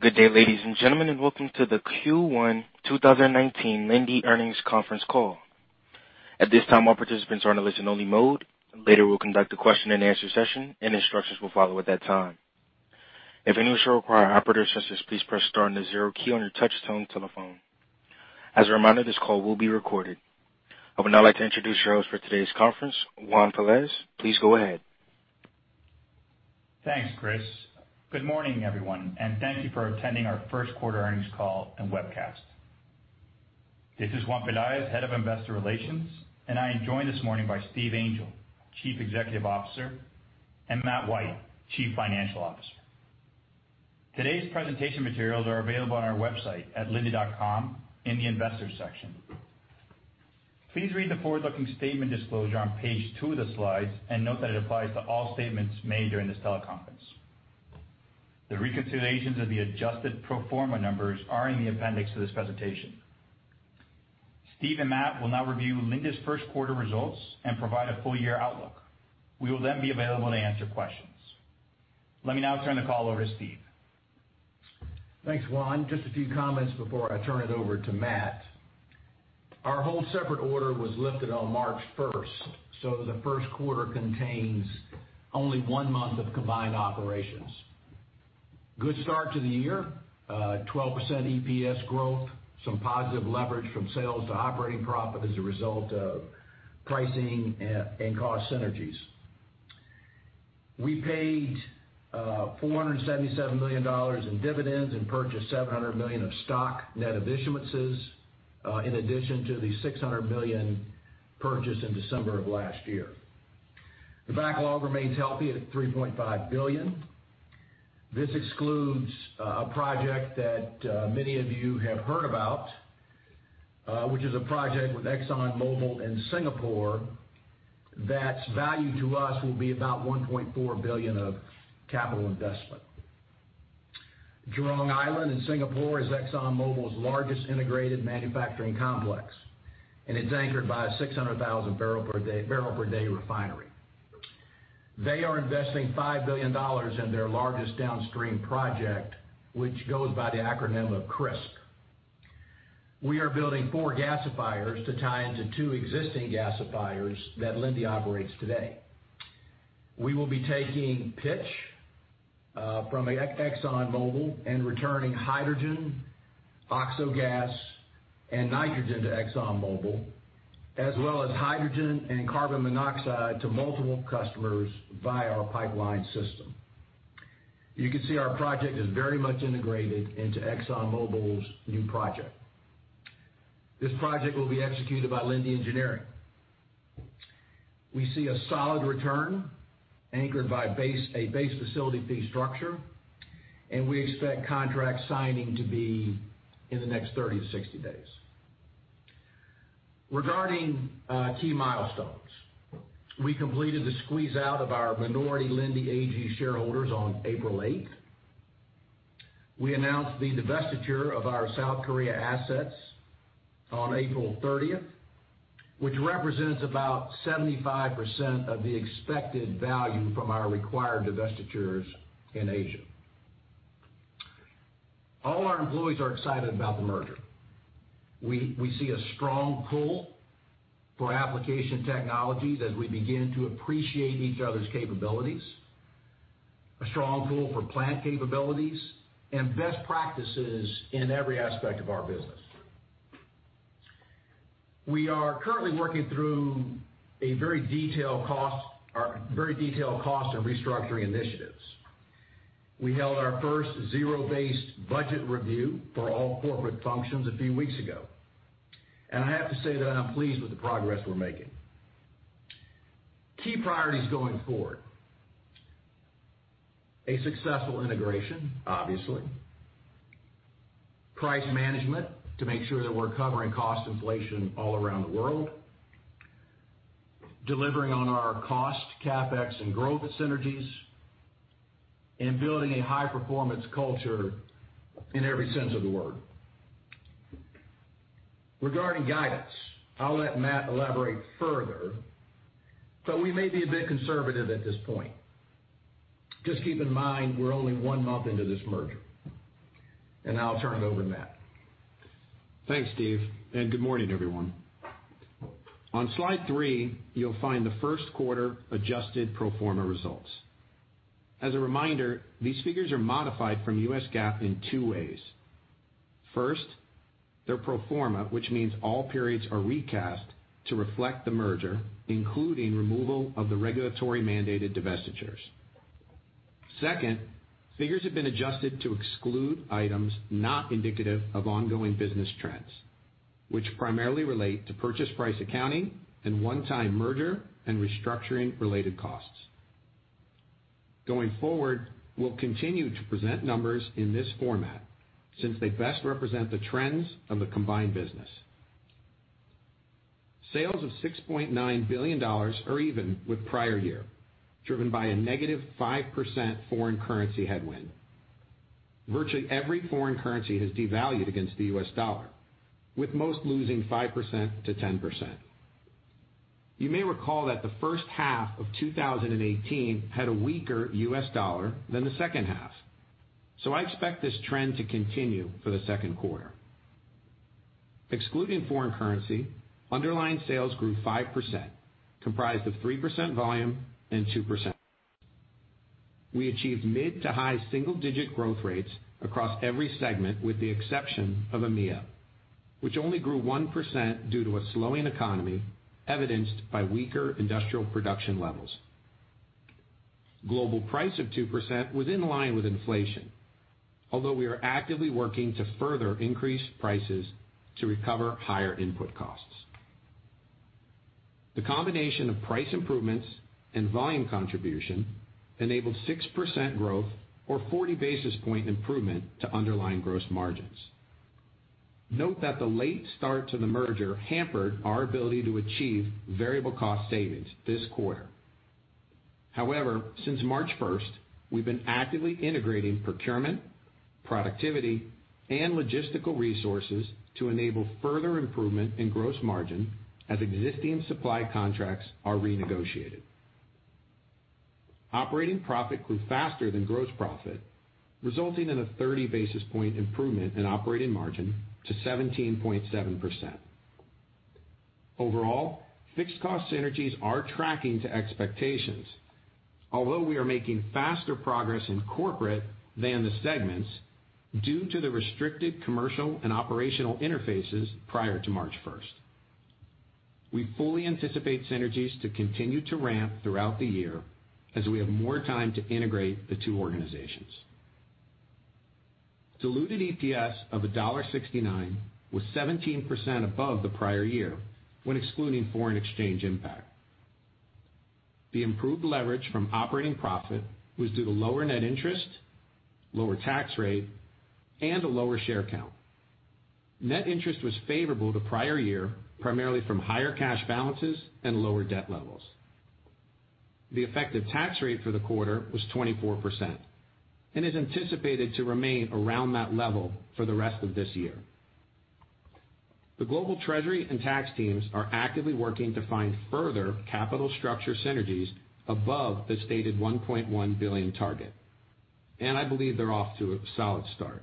Good day, ladies and gentlemen. Welcome to the Q1 2019 Linde Earnings Conference Call. At this time, all participants are in a listen-only mode. Later, we'll conduct a question-and-answer session. Instructions will follow at that time. If any of you require operator assistance, please press star and the zero key on your touch-tone telephone. As a reminder, this call will be recorded. I would now like to introduce your host for today's conference, Juan Pelaez. Please go ahead. Thanks, Chris. Good morning, everyone. Thank you for attending our first quarter earnings call and webcast. This is Juan Pelaez, Head of Investor Relations. I am joined this morning by Steve Angel, Chief Executive Officer, and Matthew White, Chief Financial Officer. Today's presentation materials are available on our website at linde.com in the Investors section. Please read the forward-looking statement disclosure on page two of the slides. Note that it applies to all statements made during this teleconference. The reconciliations of the adjusted pro forma numbers are in the appendix to this presentation. Steve and Matt will now review Linde's first quarter results and provide a full-year outlook. We will be available to answer questions. Let me now turn the call over to Steve. Thanks, Juan. Just a few comments before I turn it over to Matt. Our hold separate order was lifted on March 1st. The first quarter contains only one month of combined operations. Good start to the year. 12% EPS growth. Some positive leverage from sales to operating profit as a result of pricing and cost synergies. We paid $477 million in dividends and purchased $700 million of stock net of issuances, in addition to the $600 million purchase in December of last year. The backlog remains healthy at $3.5 billion. This excludes a project that many of you have heard about, which is a project with ExxonMobil in Singapore, that's value to us will be about $1.4 billion of capital investment. Jurong Island in Singapore is ExxonMobil's largest integrated manufacturing complex. It's anchored by a 600,000 barrel per day refinery. They are investing $5 billion in their largest downstream project, which goes by the acronym of CRISP. We are building four gasifiers to tie into two existing gasifiers that Linde operates today. We will be taking pitch from ExxonMobil and returning hydrogen, OXXO Gas, and nitrogen to ExxonMobil, as well as hydrogen and carbon monoxide to multiple customers via our pipeline system. You can see our project is very much integrated into ExxonMobil's new project. This project will be executed by Linde Engineering. We see a solid return anchored by a base facility fee structure. We expect contract signing to be in the next 30 to 60 days. Regarding key milestones. We completed the squeeze-out of our minority Linde AG shareholders on April 8th. We announced the divestiture of our South Korea assets on April 30th, which represents about 75% of the expected value from our required divestitures in Asia. All our employees are excited about the merger. We see a strong pull for application technologies as we begin to appreciate each other's capabilities. A strong pull for plant capabilities, and best practices in every aspect of our business. We are currently working through a very detailed cost and restructuring initiatives. We held our first zero-based budgeting review for all corporate functions a few weeks ago. I have to say that I'm pleased with the progress we're making. Key priorities going forward. A successful integration, obviously. Price management to make sure that we're covering cost inflation all around the world. Delivering on our cost, CapEx, and growth synergies, and building a high-performance culture in every sense of the word. Regarding guidance, I'll let Matt elaborate further, but we may be a bit conservative at this point. Just keep in mind, we're only one month into this merger. Now I'll turn it over to Matt. Thanks, Steve, and good morning, everyone. On slide three, you'll find the first quarter adjusted pro forma results. As a reminder, these figures are modified from US GAAP in two ways. First, they're pro forma, which means all periods are recast to reflect the merger, including removal of the regulatory mandated divestitures. Second, figures have been adjusted to exclude items not indicative of ongoing business trends, which primarily relate to purchase price accounting and one-time merger and restructuring related costs. Going forward, we'll continue to present numbers in this format since they best represent the trends of the combined business. Sales of $6.9 billion are even with prior year, driven by a negative 5% foreign currency headwind. Virtually every foreign currency has devalued against the US dollar, with most losing 5%-10%. You may recall that the first half of 2018 had a weaker US dollar than the second half. So I expect this trend to continue for the second quarter. Excluding foreign currency, underlying sales grew 5%, comprised of 3% volume and 2%. We achieved mid to high single-digit growth rates across every segment, with the exception of EMEA, which only grew 1% due to a slowing economy evidenced by weaker industrial production levels. Global price of 2% was in line with inflation, although we are actively working to further increase prices to recover higher input costs. The combination of price improvements and volume contribution enabled 6% growth or 40 basis point improvement to underlying gross margins. Note that the late start to the merger hampered our ability to achieve variable cost savings this quarter. However, since March 1st, we've been actively integrating procurement, productivity, and logistical resources to enable further improvement in gross margin as existing supply contracts are renegotiated. Operating profit grew faster than gross profit, resulting in a 30 basis point improvement in operating margin to 17.7%. Overall, fixed cost synergies are tracking to expectations, although we are making faster progress in corporate than the segments due to the restricted commercial and operational interfaces prior to March 1st. We fully anticipate synergies to continue to ramp throughout the year as we have more time to integrate the two organizations. Diluted EPS of $1.69 was 17% above the prior year when excluding foreign exchange impact. The improved leverage from operating profit was due to lower net interest, lower tax rate, and a lower share count. Net interest was favorable to prior year, primarily from higher cash balances and lower debt levels. The effective tax rate for the quarter was 24% and is anticipated to remain around that level for the rest of this year. The global treasury and tax teams are actively working to find further capital structure synergies above the stated $1.1 billion target. I believe they're off to a solid start.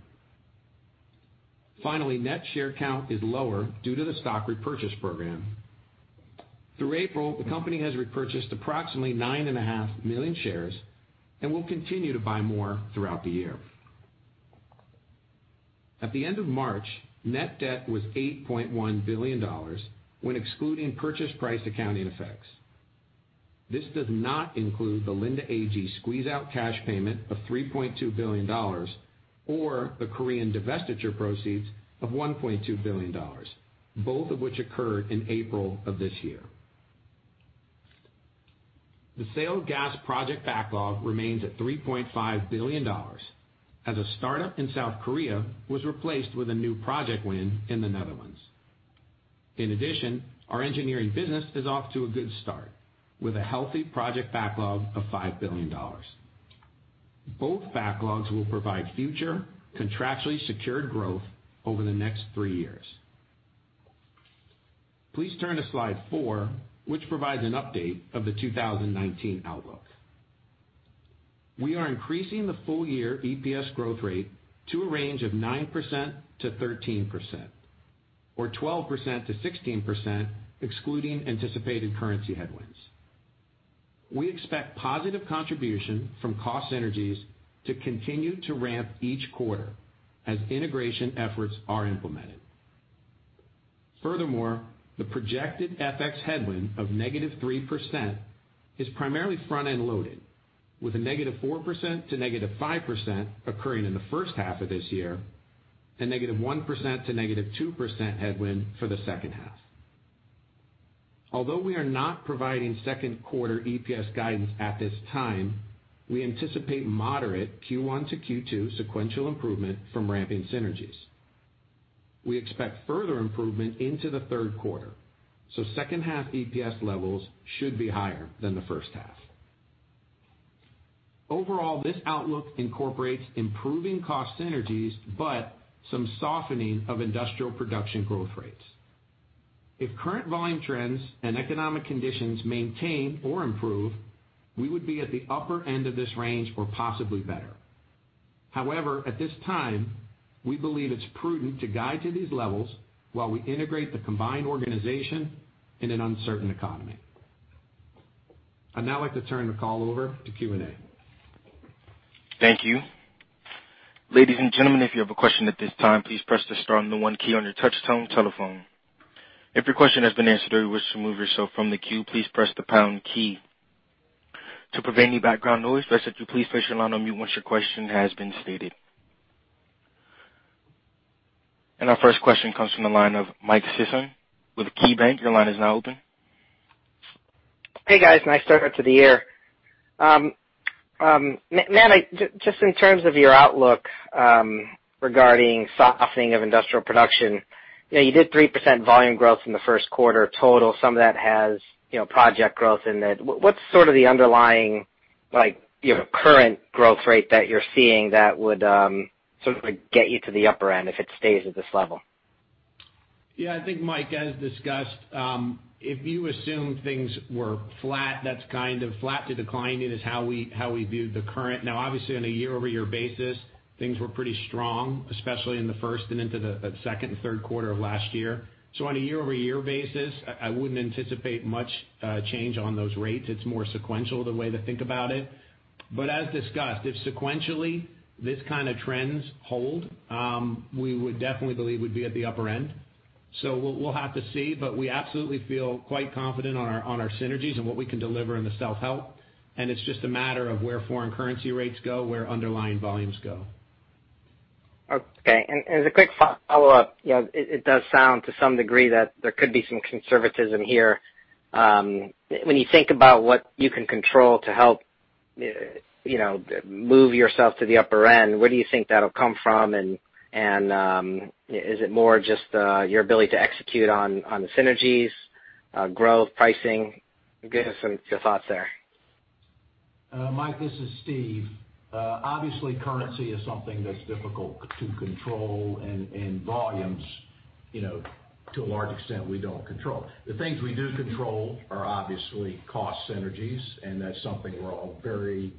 Finally, net share count is lower due to the stock repurchase program. Through April, the company has repurchased approximately nine and a half million shares and will continue to buy more throughout the year. At the end of March, net debt was $8.1 billion when excluding purchase price accounting effects. This does not include the Linde AG squeeze-out cash payment of $3.2 billion or the Korean divestiture proceeds of $1.2 billion, both of which occurred in April of this year. The sale of gas project backlog remains at $3.5 billion as a startup in South Korea was replaced with a new project win in the Netherlands. In addition, our engineering business is off to a good start with a healthy project backlog of $5 billion. Both backlogs will provide future contractually secured growth over the next three years. Please turn to slide four, which provides an update of the 2019 outlook. We are increasing the full year EPS growth rate to a range of 9%-13%, or 12%-16%, excluding anticipated currency headwinds. We expect positive contribution from cost synergies to continue to ramp each quarter as integration efforts are implemented. Furthermore, the projected FX headwind of -3% is primarily front-end loaded, with a -4% to -5% occurring in the first half of this year and -1% to -2% headwind for the second half. Although we are not providing second quarter EPS guidance at this time, we anticipate moderate Q1 to Q2 sequential improvement from ramping synergies. We expect further improvement into the third quarter. Second half EPS levels should be higher than the first half. Overall, this outlook incorporates improving cost synergies, but some softening of industrial production growth rates. If current volume trends and economic conditions maintain or improve, we would be at the upper end of this range or possibly better. However, at this time, we believe it's prudent to guide to these levels while we integrate the combined organization in an uncertain economy. I'd now like to turn the call over to Q&A. Thank you. Ladies and gentlemen, if you have a question at this time, please press the star and the one key on your touch-tone telephone. If your question has been answered or you wish to remove yourself from the queue, please press the pound key. To prevent any background noise, please place your line on mute once your question has been stated. Our first question comes from the line of Michael Sison with KeyBanc. Your line is now open. Hey, guys. Nice start up to the year. [Man I-], just in terms of your outlook regarding softening of industrial production, you did 3% volume growth in the first quarter total. Some of that has project growth in it. What's sort of the underlying, like your current growth rate that you're seeing that would sort of get you to the upper end if it stays at this level. Yeah, I think Mike, as discussed, if you assume things were flat, that's kind of flat to declining is how we view the current. Obviously on a year-over-year basis, things were pretty strong, especially in the first and into the second and third quarter of last year. On a year-over-year basis, I wouldn't anticipate much change on those rates. It's more sequential the way to think about it. As discussed, if sequentially this kind of trends hold, we would definitely believe we'd be at the upper end. We'll have to see, but we absolutely feel quite confident on our synergies and what we can deliver in the self-help, it's just a matter of where foreign currency rates go, where underlying volumes go. Okay. As a quick follow-up, it does sound to some degree that there could be some conservatism here. When you think about what you can control to help move yourself to the upper end, where do you think that'll come from? Is it more just your ability to execute on the synergies, growth, pricing? Give us some of your thoughts there. Mike, this is Steve. Obviously currency is something that's difficult to control and volumes, to a large extent we don't control. The things we do control are obviously cost synergies, and that's something we're all very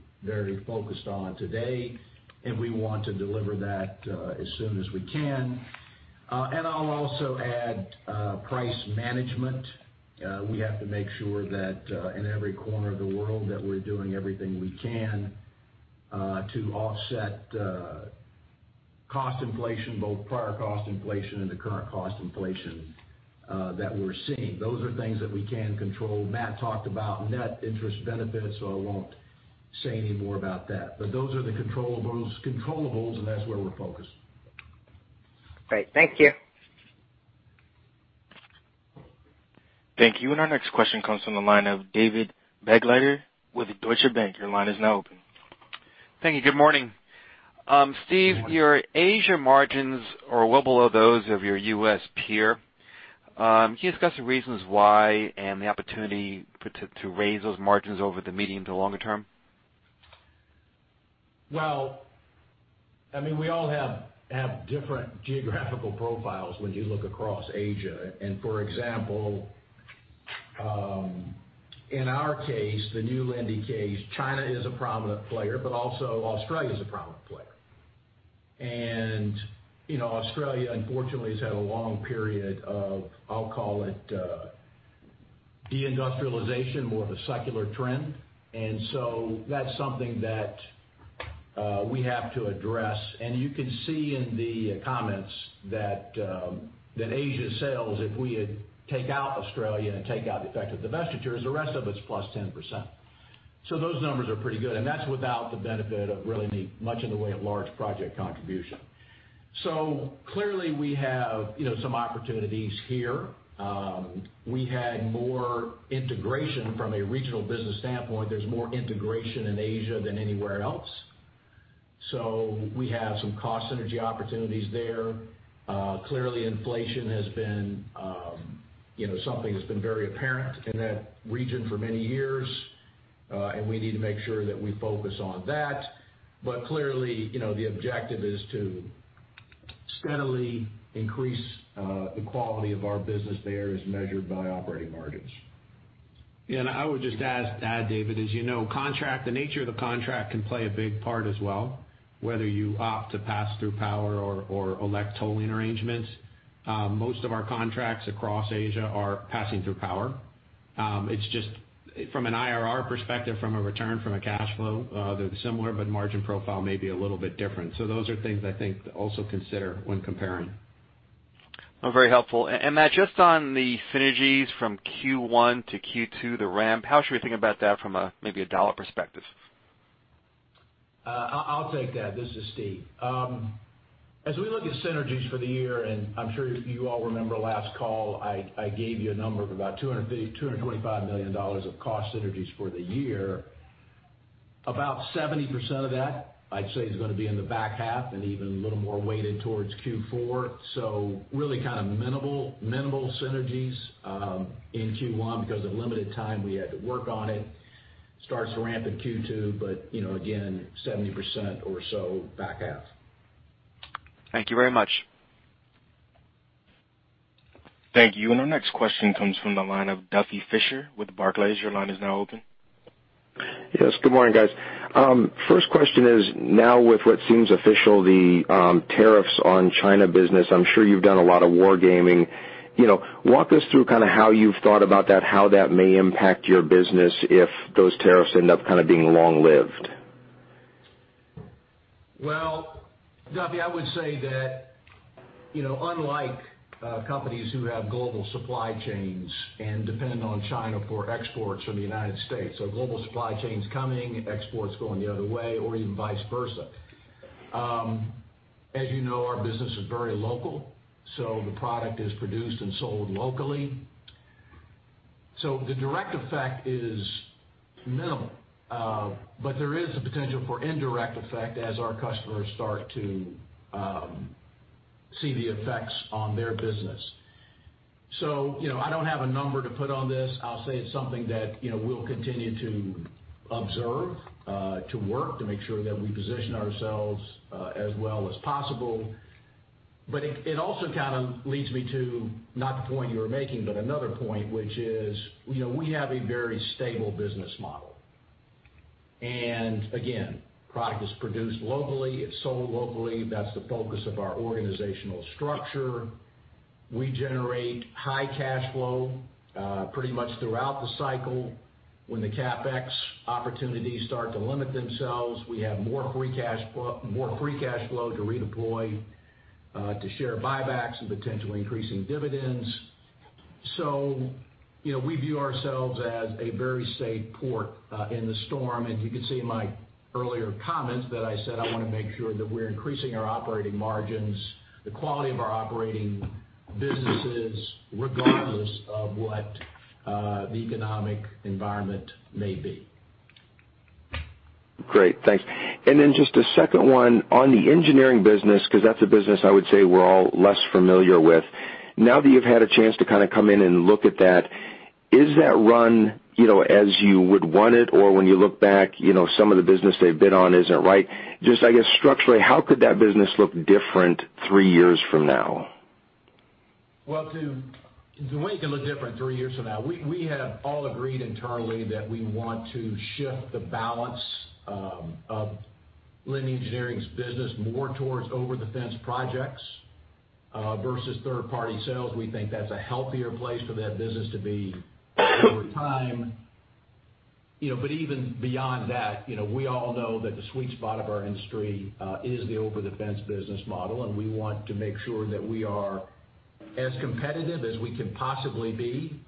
focused on today, and we want to deliver that as soon as we can. I'll also add price management. We have to make sure that in every corner of the world, that we're doing everything we can to offset cost inflation, both prior cost inflation and the current cost inflation that we're seeing. Those are things that we can control. Matt talked about net interest benefits, I won't say any more about that. Those are the controllables, and that's where we're focused. Great. Thank you. Thank you. Our next question comes from the line of David Begleiter with Deutsche Bank. Your line is now open. Thank you. Good morning. Good morning. Steve, your Asia margins are well below those of your U.S. peer. Can you discuss the reasons why and the opportunity to raise those margins over the medium to longer term? Well, we all have different geographical profiles when you look across Asia. For example, in our case, the new Linde case, China is a prominent player, Australia is a prominent player. Australia unfortunately has had a long period of, I'll call it de-industrialization, more of a secular trend. That's something that we have to address. You can see in the comments that Asia sales, if we take out Australia and take out the effect of divestitures, the rest of it's plus 10%. Those numbers are pretty good, and that's without the benefit of really much in the way of large project contribution. Clearly we have some opportunities here. We had more integration from a regional business standpoint. There's more integration in Asia than anywhere else. We have some cost synergy opportunities there. Clearly inflation has been something that's been very apparent in that region for many years. We need to make sure that we focus on that. Clearly, the objective is to steadily increase the quality of our business there as measured by operating margins. I would just add, David, as you know, the nature of the contract can play a big part as well, whether you opt to pass through power or elect tolling arrangements. Most of our contracts across Asia are passing through power. It's just from an IRR perspective, from a return from a cash flow, they're similar, but margin profile may be a little bit different. Those are things I think to also consider when comparing. Very helpful. Matt, just on the synergies from Q1 to Q2, the ramp, how should we think about that from maybe a dollar perspective? I'll take that. This is Steve. As we look at synergies for the year, I'm sure you all remember last call, I gave you a number of about $225 million of cost synergies for the year. About 70% of that I'd say is gonna be in the back half and even a little more weighted towards Q4. Really kind of minimal synergies in Q1 because of limited time we had to work on it. Starts to ramp in Q2, but again, 70% or so back half. Thank you very much. Thank you. Our next question comes from the line of Duffy Fischer with Barclays. Your line is now open. Yes, good morning guys. First question is now with what seems official, the tariffs on China business, I'm sure you've done a lot of war gaming. Walk us through kind of how you've thought about that, how that may impact your business if those tariffs end up kind of being long-lived. Well, Duffy, I would say that unlike companies who have global supply chains and depend on China for exports from the U.S., global supply chains coming, exports going the other way or even vice versa. As you know, our business is very local, the product is produced and sold locally. The direct effect is minimal. There is a potential for indirect effect as our customers start to see the effects on their business. I don't have a number to put on this. I'll say it's something that we'll continue to observe, to work, to make sure that we position ourselves as well as possible. It also kind of leads me to, not the point you were making, but another point, which is, we have a very stable business model. Again, product is produced locally, it's sold locally. That's the focus of our organizational structure. We generate high cash flow, pretty much throughout the cycle. When the CapEx opportunities start to limit themselves, we have more free cash flow to redeploy, to share buybacks and potentially increasing dividends. We view ourselves as a very safe port in the storm. As you can see in my earlier comments that I said I want to make sure that we're increasing our operating margins, the quality of our operating businesses, regardless of what the economic environment may be. Great. Thanks. Then just a second one on the Linde Engineering business, because that's a business I would say we're all less familiar with. Now that you've had a chance to kind of come in and look at that, is that run as you would want it? Or when you look back, some of the business they've been on isn't right. Just I guess structurally, how could that business look different three years from now? Well, to the way it can look different three years from now, we have all agreed internally that we want to shift the balance of Linde Engineering's business more towards over-the-fence projects versus third-party sales. We think that's a healthier place for that business to be over time. Even beyond that, we all know that the sweet spot of our industry is the over-the-fence business model, and we want to make sure that we are as competitive as we can possibly be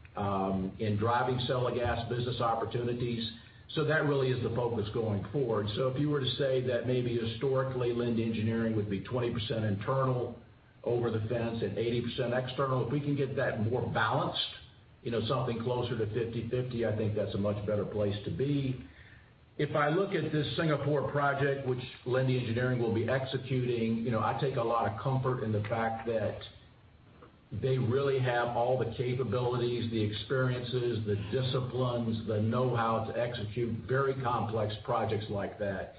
in driving sell gas business opportunities. That really is the focus going forward. If you were to say that maybe historically Linde Engineering would be 20% internal over the fence and 80% external, if we can get that more balanced, something closer to 50/50, I think that's a much better place to be. If I look at this Singapore project, which Linde Engineering will be executing, I take a lot of comfort in the fact that they really have all the capabilities, the experiences, the disciplines, the know-how to execute very complex projects like that.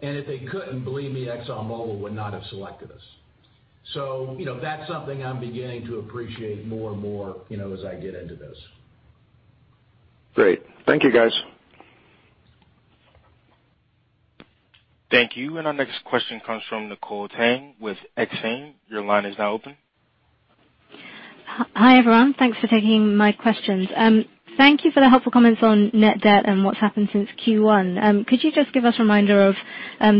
If they couldn't, believe me, ExxonMobil would not have selected us. That's something I'm beginning to appreciate more and more, as I get into this. Great. Thank you, guys. Thank you. Our next question comes from Nicola Tang with Exane. Your line is now open. Hi, everyone. Thanks for taking my questions. Thank you for the helpful comments on net debt and what's happened since Q1. Could you just give us a reminder of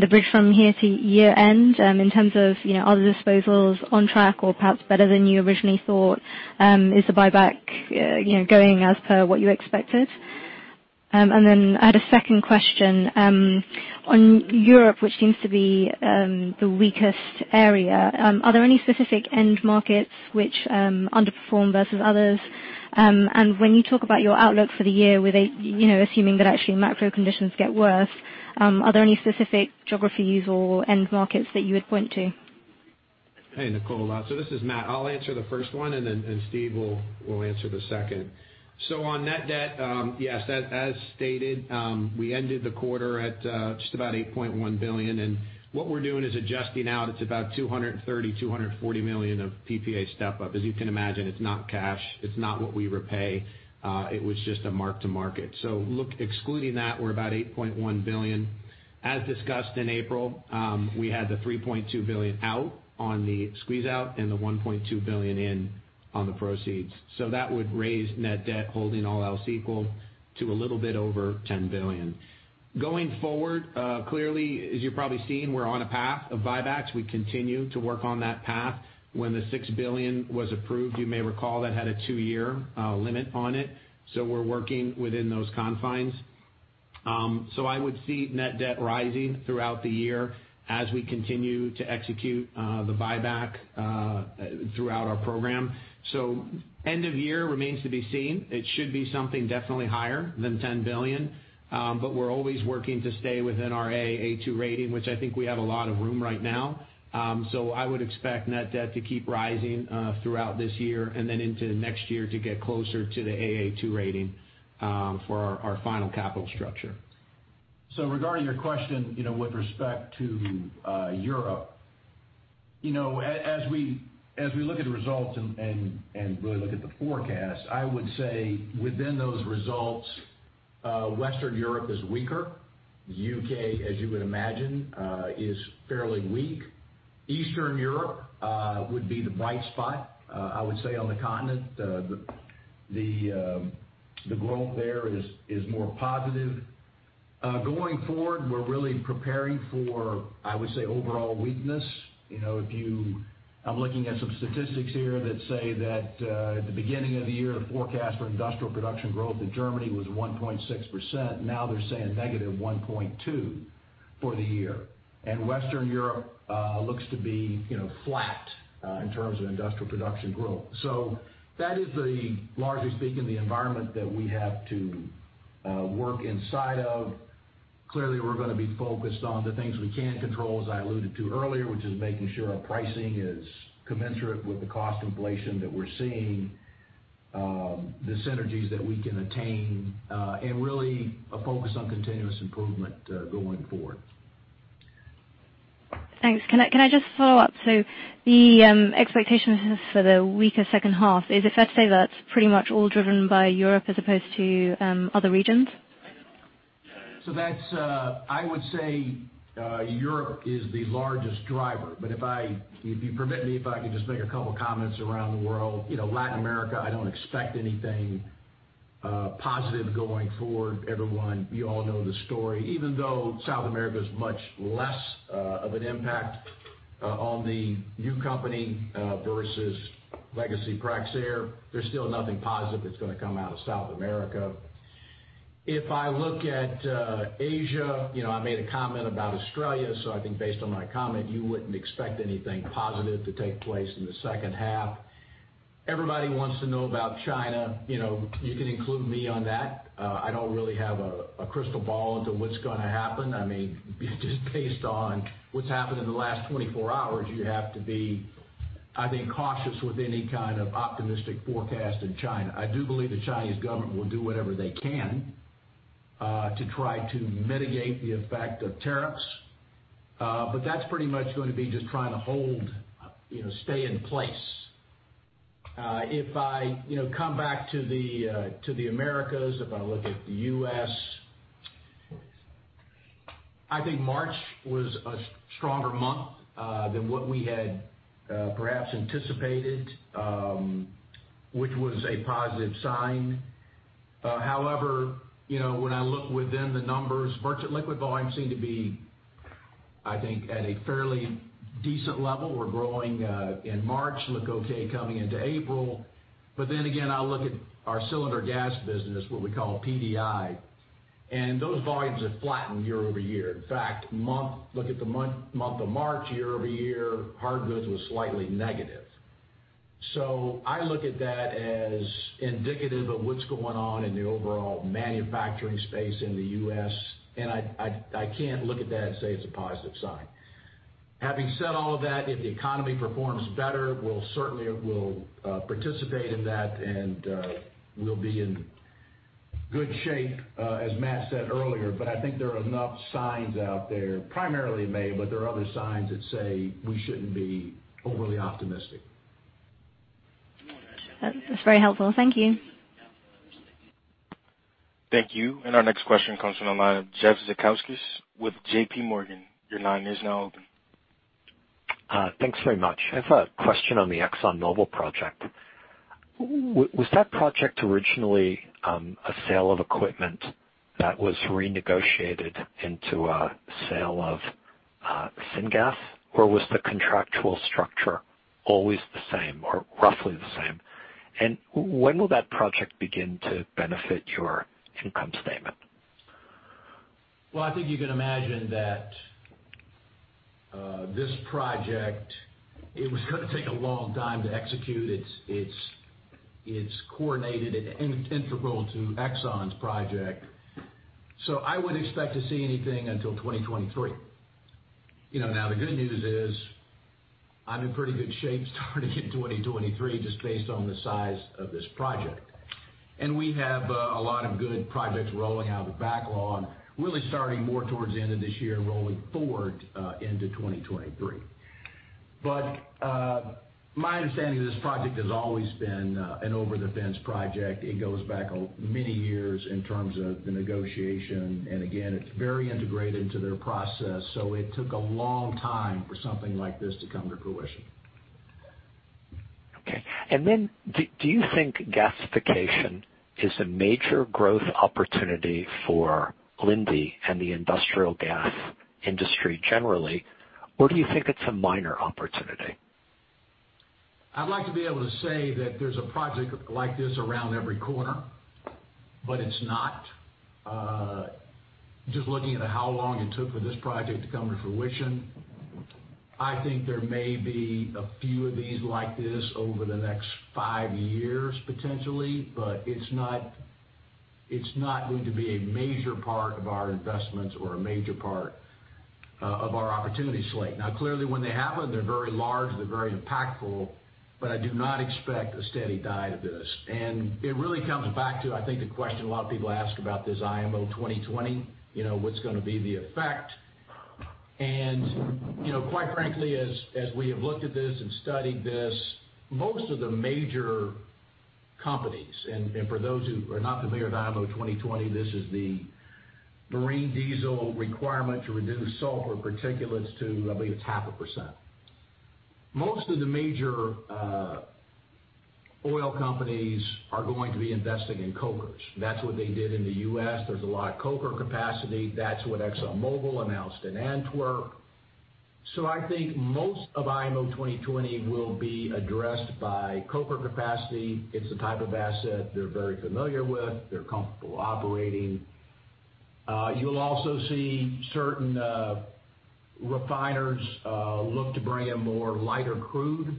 the bridge from here to year-end, in terms of are disposals on track or perhaps better than you originally thought? Is the buyback going as per what you expected? Then I had a second question. On Europe, which seems to be the weakest area, are there any specific end markets which underperform versus others? When you talk about your outlook for the year, assuming that actually macro conditions get worse, are there any specific geographies or end markets that you would point to? Hey, Nicola. This is Matt. I'll answer the first one. Then Steve will answer the second. On net debt, yes, as stated, we ended the quarter at just about $8.1 billion. What we're doing is adjusting out. It's about $230 million, $240 million of PPA step-up. As you can imagine, it's not cash. It's not what we repay. It was just a mark to market. Look, excluding that, we're about $8.1 billion. As discussed in April, we had the $3.2 billion out on the squeeze-out and the $1.2 billion in on the proceeds. That would raise net debt, holding all else equal, to a little bit over $10 billion. Going forward, clearly, as you're probably seeing, we're on a path of buybacks. We continue to work on that path. When the $6 billion was approved, you may recall that had a two-year limit on it. We're working within those confines. I would see net debt rising throughout the year as we continue to execute the buyback throughout our program. End of year remains to be seen. It should be something definitely higher than $10 billion. We're always working to stay within our Aa2 rating, which I think we have a lot of room right now. I would expect net debt to keep rising throughout this year and then into next year to get closer to the Aa2 rating for our final capital structure. Regarding your question with respect to Europe. As we look at results and really look at the forecast, I would say within those results, Western Europe is weaker. U.K., as you would imagine, is fairly weak. Eastern Europe would be the bright spot, I would say, on the continent. The growth there is more positive. Going forward, we're really preparing for, I would say, overall weakness. I'm looking at some statistics here that say that at the beginning of the year, the forecast for industrial production growth in Germany was 1.6%. Now they're saying -1.2% for the year. Western Europe looks to be flat in terms of industrial production growth. That is the, largely speaking, the environment that we have to work inside of. Clearly, we're going to be focused on the things we can control, as I alluded to earlier, which is making sure our pricing is commensurate with the cost inflation that we're seeing, the synergies that we can attain, and really a focus on continuous improvement going forward. Thanks. Can I just follow up? The expectation for the weaker second half, is it fair to say that's pretty much all driven by Europe as opposed to other regions? I would say Europe is the largest driver. If you permit me, if I could just make a couple of comments around the world. Latin America, I don't expect anything positive going forward. Everyone, you all know the story. Even though South America is much less of an impact on the new company versus legacy Praxair, there's still nothing positive that's going to come out of South America. If I look at Asia, I made a comment about Australia, I think based on my comment, you wouldn't expect anything positive to take place in the second half. Everybody wants to know about China. You can include me on that. I don't really have a crystal ball into what's going to happen. Just based on what's happened in the last 24 hours, you have to be, I think, cautious with any kind of optimistic forecast in China. I do believe the Chinese government will do whatever they can to try to mitigate the effect of tariffs, but that's pretty much going to be just trying to stay in place. If I come back to the Americas, if I look at the U.S., I think March was a stronger month than what we had perhaps anticipated, which was a positive sign. However, when I look within the numbers, merchant liquid volumes seem to be, I think, at a fairly decent level. We're growing in March, look okay coming into April. Again, I look at our cylinder gas business, what we call PDI, and those volumes have flattened year-over-year. In fact, look at the month of March year-over-year, hardgoods was slightly negative. I look at that as indicative of what's going on in the overall manufacturing space in the U.S., and I can't look at that and say it's a positive sign. Having said all of that, if the economy performs better, we'll participate in that and we'll be in good shape, as Matt said earlier. I think there are enough signs out there, primarily in May, but there are other signs that say we shouldn't be overly optimistic. That's very helpful. Thank you. Thank you. Our next question comes from the line of Jeff Zekauskas with J.P. Morgan. Your line is now open. Thanks very much. I have a question on the ExxonMobil project. Was that project originally a sale of equipment that was renegotiated into a sale of syngas, or was the contractual structure always the same or roughly the same? When will that project begin to benefit your income statement? Well, I think you can imagine that this project, it was going to take a long time to execute. It's coordinated and integral to Exxon's project. I wouldn't expect to see anything until 2023. Now, the good news is I'm in pretty good shape starting in 2023, just based on the size of this project. We have a lot of good projects rolling out of backlog, really starting more towards the end of this year, rolling forward into 2023. My understanding of this project has always been an over-the-fence project. It goes back many years in terms of the negotiation, and again, it's very integrated into their process. It took a long time for something like this to come to fruition. Okay. Do you think gasification is a major growth opportunity for Linde and the industrial gas industry generally, or do you think it's a minor opportunity? I'd like to be able to say that there's a project like this around every corner, but it's not. Just looking at how long it took for this project to come to fruition, I think there may be a few of these like this over the next five years, potentially, but it's not going to be a major part of our investments or a major part of our opportunity slate. Now, clearly, when they happen, they're very large, they're very impactful, but I do not expect a steady diet of this. It really comes back to, I think, the question a lot of people ask about this IMO 2020, what's going to be the effect? Quite frankly, as we have looked at this and studied this, most of the major companies, and for those who are not familiar with IMO 2020, this is the marine diesel requirement to reduce sulfur particulates to, I believe it's 0.5%. Most of the major oil companies are going to be investing in cokers. That's what they did in the U.S. There's a lot of coker capacity. That's what ExxonMobil announced in Antwerp. I think most of IMO 2020 will be addressed by coker capacity. It's the type of asset they're very familiar with, they're comfortable operating. You'll also see certain refiners look to bring in more lighter crude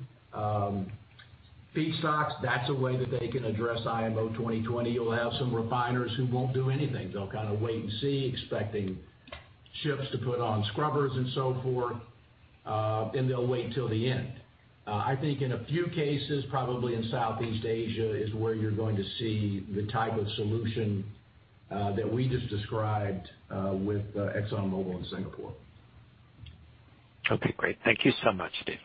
feedstocks, that's a way that they can address IMO 2020. You'll have some refiners who won't do anything. They'll kind of wait and see, expecting ships to put on scrubbers and so forth, and they'll wait till the end. I think in a few cases, probably in Southeast Asia is where you're going to see the type of solution that we just described with ExxonMobil in Singapore. Okay, great. Thank you so much, Steve.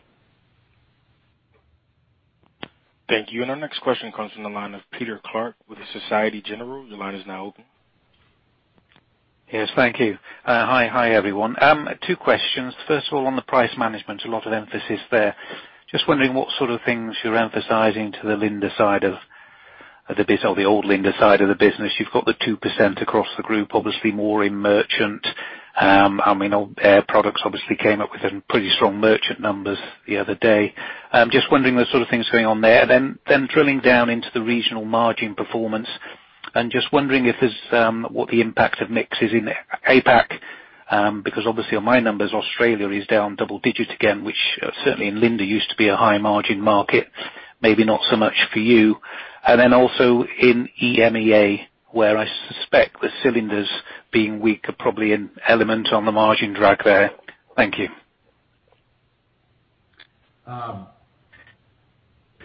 Thank you. Our next question comes from the line of Peter Clark with Societe Generale. Your line is now open. Yes, thank you. Hi, everyone. Two questions. First of all, on the price management, a lot of emphasis there. Just wondering what sort of things you're emphasizing to the Linde side of the business or the old Linde side of the business. You've got the 2% across the group, obviously more in merchant. Air Products obviously came up with some pretty strong merchant numbers the other day. Just wondering the sort of things going on there. Drilling down into the regional margin performance and just wondering what the impact of mix is in APAC. Obviously on my numbers, Australia is down double digits again, which certainly in Linde used to be a high-margin market, maybe not so much for you. Also in EMEA, where I suspect the cylinders being weaker, probably an element on the margin drag there. Thank you.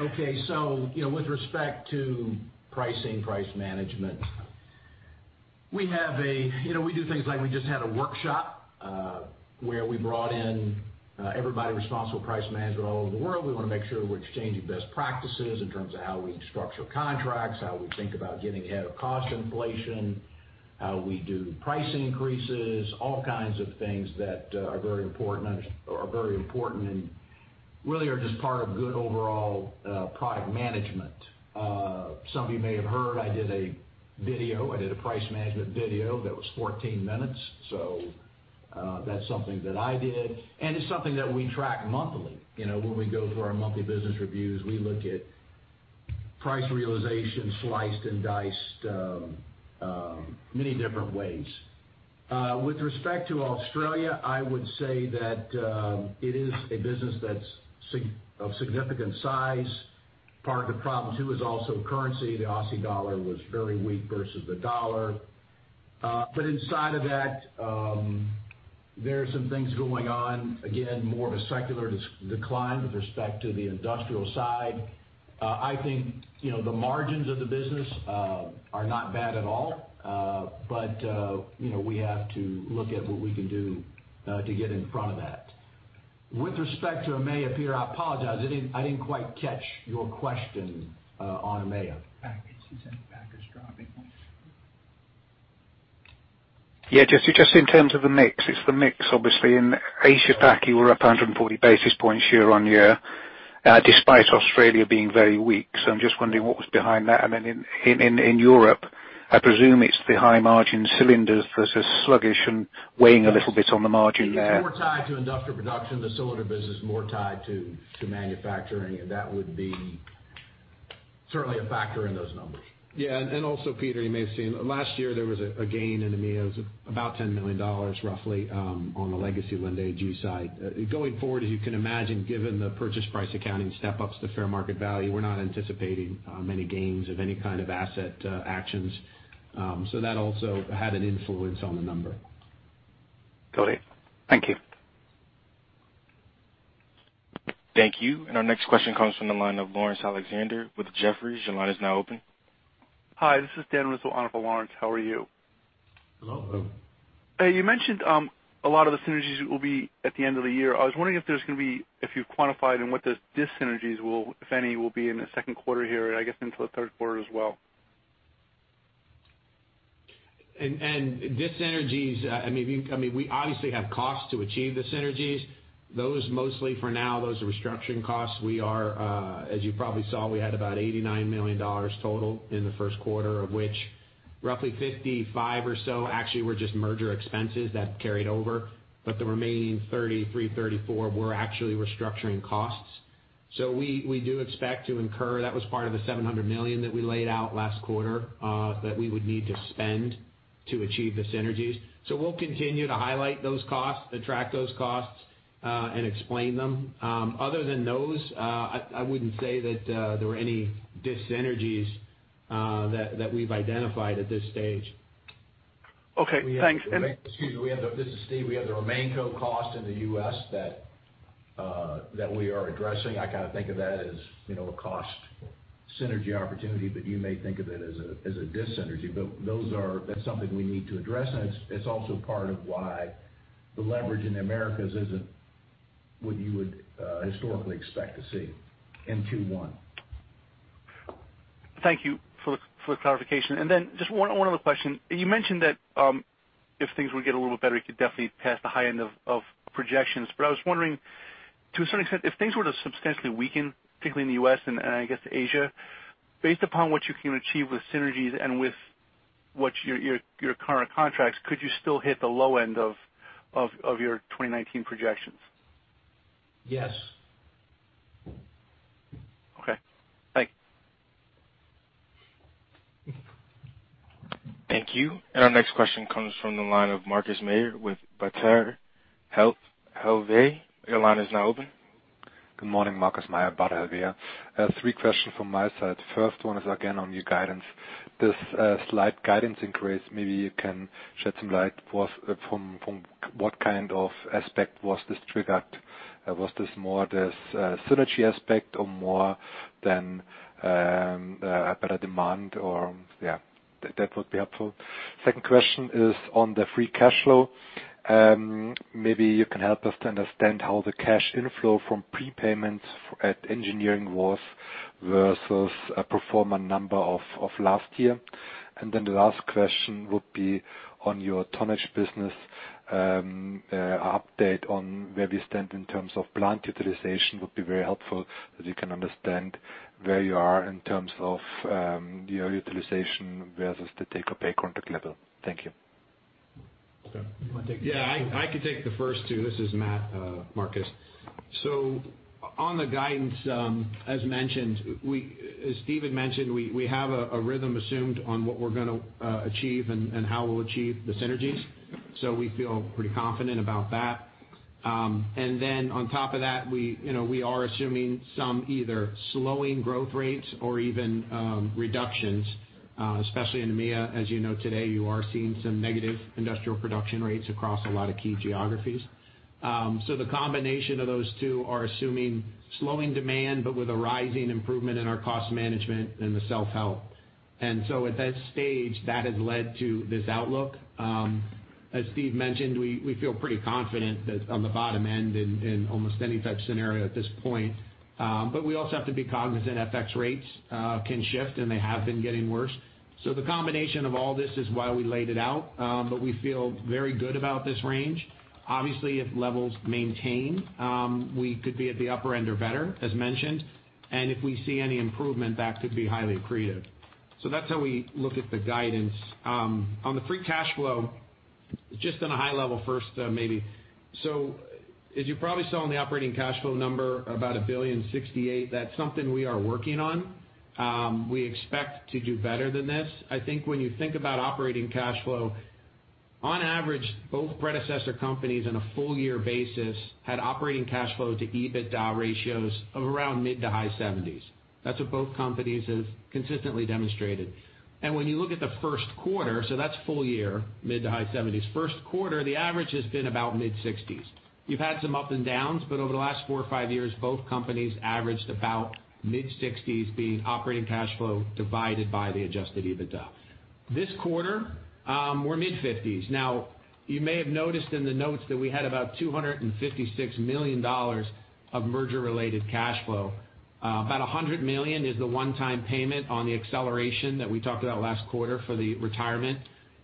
Okay. With respect to pricing, price management, we do things like we just had a workshop, where we brought in everybody responsible for price management all over the world. We want to make sure we're exchanging best practices in terms of how we structure contracts, how we think about getting ahead of cost inflation, how we do price increases, all kinds of things that are very important and really are just part of good overall product management. Some of you may have heard, I did a video. I did a price management video that was 14 minutes. That's something that I did, and it's something that we track monthly. When we go through our monthly business reviews, we look at price realization sliced and diced many different ways. With respect to Australia, I would say that it is a business that's of significant size. Part of the problem too is also currency. The Aussie dollar was very weak versus the dollar. Inside of that, there are some things going on, again, more of a secular decline with respect to the industrial side. I think the margins of the business are not bad at all. We have to look at what we can do to get in front of that. With respect to EMEA, Peter, I apologize, I didn't quite catch your question on EMEA. Packaged. He said the pack is dropping on you. Just in terms of the mix. It's the mix, obviously, in Asia Pac, you were up 140 basis points year-on-year, despite Australia being very weak. I'm just wondering what was behind that. In Europe, I presume it's the high-margin cylinders versus sluggish and weighing a little bit on the margin there. It's more tied to industrial production, the cylinder business is more tied to manufacturing, that would be certainly a factor in those numbers. Also, Peter, you may have seen. Last year, there was a gain in EMEA of about $10 million roughly, on the legacy Linde AG side. Going forward, as you can imagine, given the purchase price accounting step-ups to fair market value, we're not anticipating many gains of any kind of asset actions. That also had an influence on the number. Got it. Thank you. Thank you. Our next question comes from the line of Laurence Alexander with Jefferies. Your line is now open. Hi, this is Dan Rizzo on for Laurence. How are you? Hello. You mentioned a lot of the synergies will be at the end of the year. I was wondering if you've quantified what those dis-synergies, if any, will be in the second quarter here and I guess into the third quarter as well. Dis-synergies, we obviously have costs to achieve the synergies. Those mostly for now, those are restructuring costs. As you probably saw, we had about $89 million total in the first quarter, of which roughly 55 or so actually were just merger expenses that carried over, but the remaining 33, 34 were actually restructuring costs. We do expect to incur. That was part of the $700 million that we laid out last quarter, that we would need to spend to achieve the synergies. We'll continue to highlight those costs and track those costs, and explain them. Other than those, I wouldn't say that there were any dis-synergies that we've identified at this stage. Okay, thanks. Excuse me. This is Steve. We have the RemainCo cost in the U.S. that we are addressing. I kind of think of that as a cost synergy opportunity, but you may think of it as a dis-synergy. That's something we need to address, and it's also part of why the leverage in Americas isn't what you would historically expect to see in Q1. Thank you for the clarification. Just one other question. You mentioned that if things were to get a little bit better, you could definitely pass the high end of projections. I was wondering, to a certain extent, if things were to substantially weaken, particularly in the U.S. and I guess Asia, based upon what you can achieve with synergies and with what your current contracts, could you still hit the low end of your 2019 projections? Yes. Okay. Thanks. Thank you. Our next question comes from the line of Markus Mayer with Baader Helvea. Your line is now open. Good morning, Markus Mayer, Baader Helvea here. Three questions from my side. First one is again on your guidance. This slight guidance increase, maybe you can shed some light from what kind of aspect was this triggered? Was this more this synergy aspect or more than a better demand or Yeah. That would be helpful. Second question is on the free cash flow. Maybe you can help us to understand how the cash inflow from prepayments at engineering was versus a pro forma number of last year. Then the last question would be on your tonnage business, update on where we stand in terms of plant utilization would be very helpful that we can understand where you are in terms of your utilization versus the take-or-pay contract level. Thank you. Okay. You want to take this? Yeah, I can take the first two. This is Matt, Markus. On the guidance, as Steve had mentioned, we have a rhythm assumed on what we're going to achieve and how we'll achieve the synergies. We feel pretty confident about that. Then on top of that, we are assuming some either slowing growth rates or even reductions, especially in EMEA. As you know today, you are seeing some negative industrial production rates across a lot of key geographies. The combination of those two are assuming slowing demand, but with a rising improvement in our cost management and the self-help. At that stage, that has led to this outlook. As Steve mentioned, we feel pretty confident that on the bottom end in almost any type scenario at this point. We also have to be cognizant FX rates can shift, and they have been getting worse. The combination of all this is why we laid it out, but we feel very good about this range. Obviously, if levels maintain, we could be at the upper end or better, as mentioned. If we see any improvement, that could be highly accretive. That's how we look at the guidance. On the free cash flow, just on a high level first, maybe. As you probably saw in the operating cash flow number, about $1.068 billion, that's something we are working on. We expect to do better than this. I think when you think about operating cash flow, on average, both predecessor companies on a full year basis had operating cash flow to EBITDA ratios of around mid- to high 70s. That's what both companies have consistently demonstrated. When you look at the first quarter, that's full year, mid- to high 70s. First quarter, the average has been about mid-60s. We've had some ups and downs, but over the last four or five years, both companies averaged about mid-60s being operating cash flow divided by the adjusted EBITDA. This quarter, we're mid-50s. Now, you may have noticed in the notes that we had about $256 million of merger-related cash flow. About $100 million is the one-time payment on the acceleration that we talked about last quarter for the retirement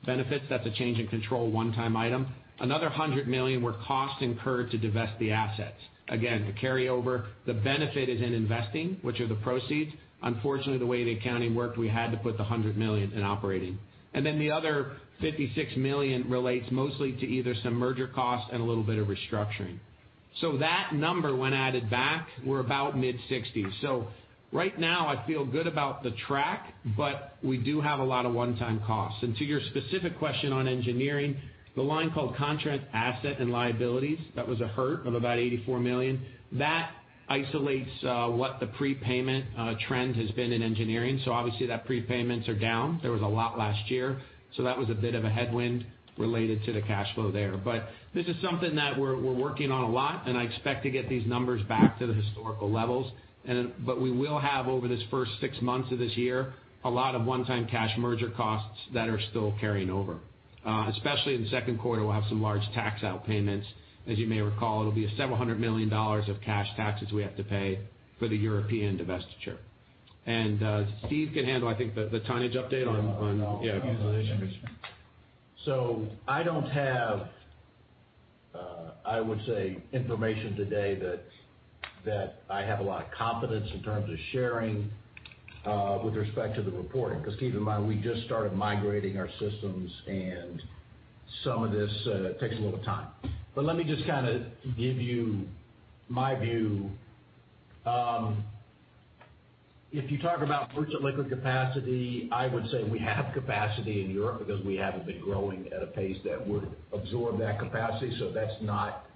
benefits. That's a change in control one-time item. Another $100 million were costs incurred to divest the assets. Again, to carry over, the benefit is in investing, which are the proceeds. Unfortunately, the way the accounting worked, we had to put the $100 million in operating. The other $56 million relates mostly to either some merger costs and a little bit of restructuring. That number, when added back, we're about mid-60s. Right now, I feel good about the track, but we do have a lot of one-time costs. To your specific question on engineering, the line called contract asset and liabilities, that was a hurt of about $84 million. That isolates what the prepayment trend has been in engineering. Obviously that prepayments are down. There was a lot last year, that was a bit of a headwind related to the cash flow there. This is something that we're working on a lot, and I expect to get these numbers back to the historical levels. We will have, over this first six months of this year, a lot of one-time cash merger costs that are still carrying over. Especially in the second quarter, we'll have some large tax out payments. As you may recall, it'll be $several hundred million of cash taxes we have to pay for the European divestiture. Steve can handle, I think, the tonnage update. Yeah, I'll handle the tonnage. I don't have, I would say, information today that I have a lot of confidence in terms of sharing with respect to the reporting. Keep in mind, we just started migrating our systems, and some of this takes a little time. Let me just give you my view. If you talk about merchant liquid capacity, I would say we have capacity in Europe because we haven't been growing at a pace that would absorb that capacity, so that's not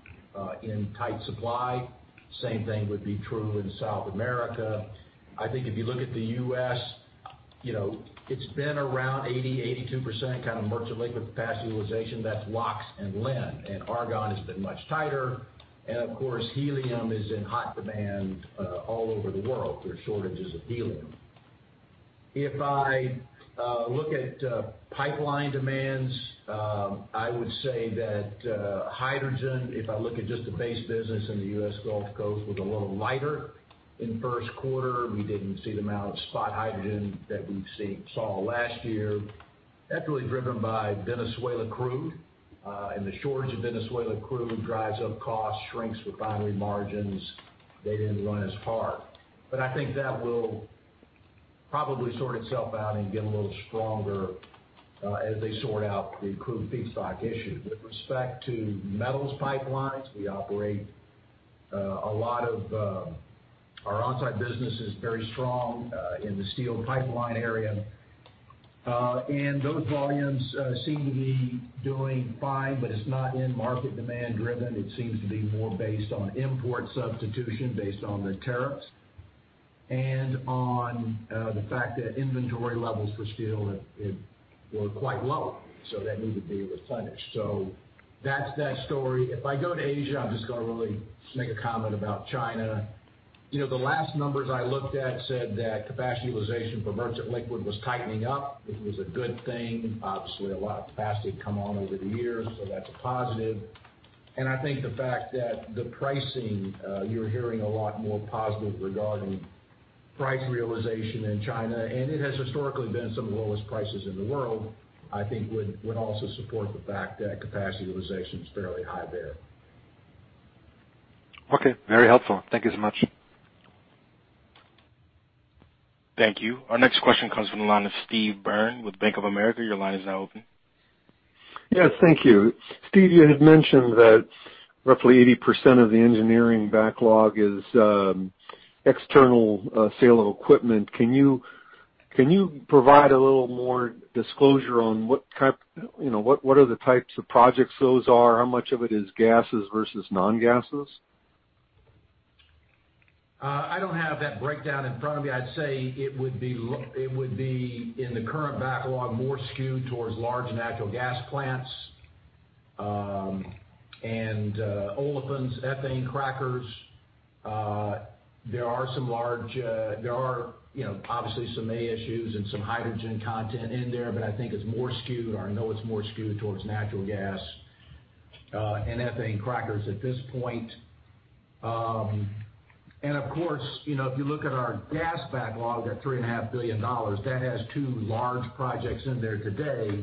in tight supply. Same thing would be true in South America. I think if you look at the U.S., it's been around 80%-82% merchant liquid capacity utilization. That's LOX and LIN. Argon has been much tighter. Of course, helium is in hot demand all over the world. There's shortages of helium. If I look at pipeline demands, I would say that hydrogen, if I look at just the base business in the U.S. Gulf Coast was a little lighter in the first quarter. We didn't see the amount of spot hydrogen that we saw last year. That's really driven by Venezuela crude. The shortage of Venezuela crude drives up costs, shrinks refinery margins. They didn't run as hard. I think that will probably sort itself out and get a little stronger as they sort out the crude feedstock issue. With respect to metals pipelines, we operate a lot of our on-site business is very strong in the steel pipeline area. Those volumes seem to be doing fine, but it's not end market demand driven. It seems to be more based on import substitution based on the tariffs and on the fact that inventory levels for steel had been quite low, so that needed to be replenished. That's that story. If I go to Asia, I'm just going to really make a comment about China. The last numbers I looked at said that capacity utilization for merchant liquid was tightening up, which was a good thing. Obviously, a lot of capacity had come on over the years, so that's a positive. I think the fact that the pricing, you're hearing a lot more positive regarding price realization in China, and it has historically been some of the lowest prices in the world, I think would also support the fact that capacity utilization is fairly high there. Okay. Very helpful. Thank you so much. Thank you. Our next question comes from the line of Steve Byrne with Bank of America. Your line is now open. Yes. Thank you. Steve, you had mentioned that roughly 80% of the engineering backlog is external sale of equipment. Can you provide a little more disclosure on what are the types of projects those are? How much of it is gases versus non-gases? I don't have that breakdown in front of me. I'd say it would be in the current backlog, more skewed towards large natural gas plants, olefins, ethane crackers. There are obviously some ASU issues and some hydrogen content in there, but I think it's more skewed, or I know it's more skewed towards natural gas and ethane crackers at this point. Of course, if you look at our gas backlog, that $3.5 billion, that has two large projects in there today,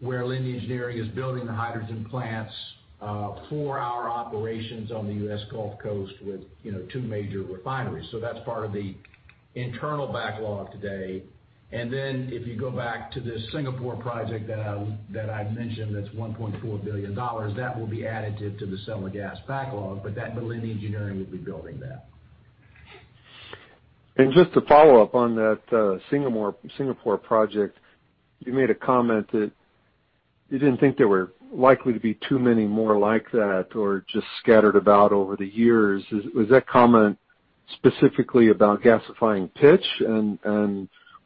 where Linde Engineering is building the hydrogen plants for our operations on the U.S. Gulf Coast with two major refineries. That's part of the internal backlog today. Then if you go back to this Singapore project that I mentioned, that's $1.4 billion. That will be additive to the seller gas backlog. That Linde Engineering will be building that. Just to follow up on that Singapore project, you made a comment that you didn't think there were likely to be too many more like that or just scattered about over the years. Was that comment specifically about gasifying pitch?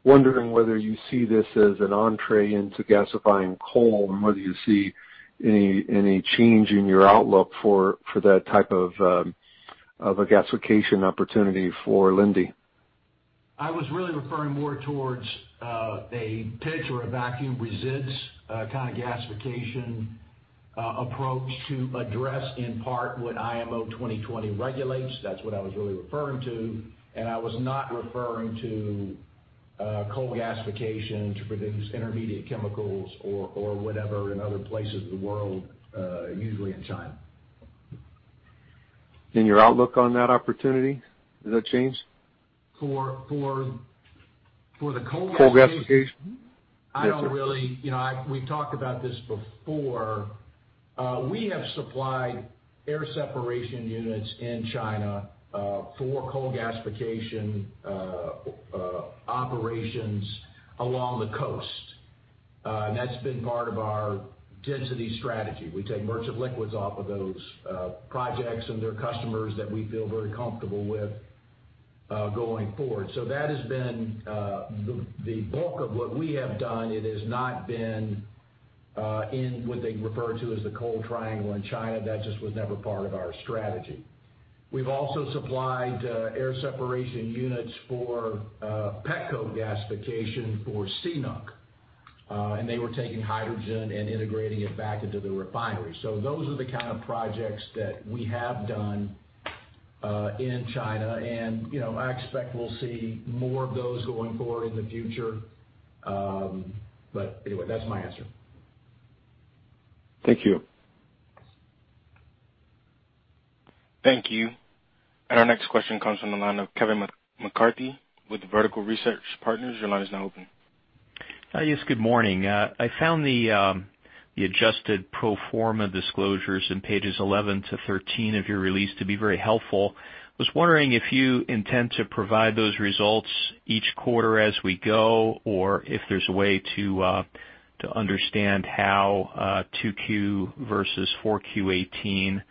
Wondering whether you see this as an entree into gasifying coal, and whether you see any change in your outlook for that type of a gasification opportunity for Linde. I was really referring more towards a pitch or a vacuum residue kind of gasification approach to address, in part, what IMO 2020 regulates. That's what I was really referring to. I was not referring to coal gasification to produce intermediate chemicals or whatever in other places in the world, usually in China. Your outlook on that opportunity, has that changed? For the coal gasification? Coal gasification. Yes, sir. We've talked about this before. We have supplied air separation units in China for coal gasification operations along the coast. That's been part of our density strategy. We take merchant liquids off of those projects, and they're customers that we feel very comfortable with going forward. That has been the bulk of what we have done. It has not been in what they refer to as the coal triangle in China. That just was never part of our strategy. We've also supplied air separation units for petcoke gasification for CNOOC. They were taking hydrogen and integrating it back into the refinery. Those are the kind of projects that we have done in China, and I expect we'll see more of those going forward in the future. Anyway, that's my answer. Thank you. Thank you. Our next question comes from the line of Kevin McCarthy with Vertical Research Partners. Your line is now open. Yes. Good morning. I found the adjusted pro forma disclosures in pages 11 to 13 of your release to be very helpful. Was wondering if you intend to provide those results each quarter as we go, or if there's a way to understand how 2Q versus 4Q 2018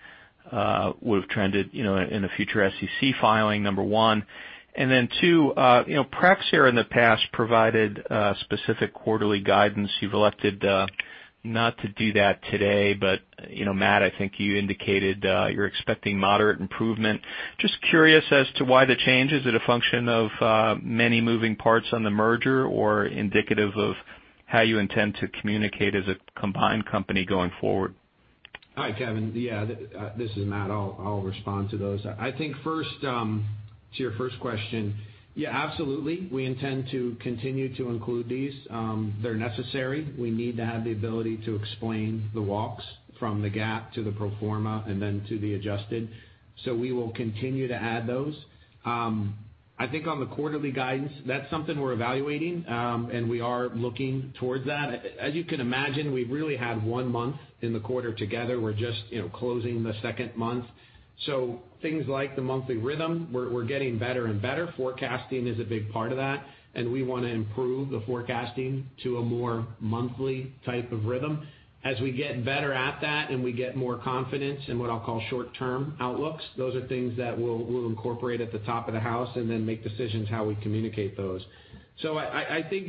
would've trended in a future SEC filing, number one. Then two, Praxair in the past provided specific quarterly guidance. You've elected not to do that today. Matt, I think you indicated you're expecting moderate improvement. Just curious as to why the change. Is it a function of many moving parts on the merger, or indicative of how you intend to communicate as a combined company going forward? Hi, Kevin. This is Matt. I'll respond to those. I think to your first question. Absolutely. We intend to continue to include these. They're necessary. We need to have the ability to explain the walks from the GAAP to the pro forma and then to the adjusted. We will continue to add those. I think on the quarterly guidance, that's something we're evaluating. We are looking towards that. As you can imagine, we've really had one month in the quarter together. We're just closing the second month. Things like the monthly rhythm, we're getting better and better. Forecasting is a big part of that. We want to improve the forecasting to a more monthly type of rhythm. As we get better at that and we get more confidence in what I'll call short-term outlooks, those are things that we'll incorporate at the top of the house and then make decisions how we communicate those. I think